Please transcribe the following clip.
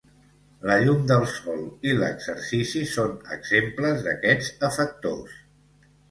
La llum del sol i l'exercici són exemples d'aquests efectors.